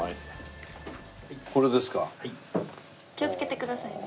気をつけてくださいね。